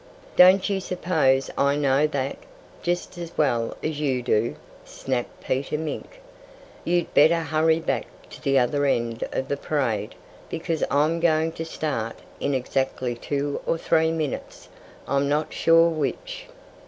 "Don't you suppose I know that, just as well as you do?" snapped Peter Mink. "You'd better hurry back to the other end of the parade, because I'm going to start in exactly two or three minutes I'm not sure which."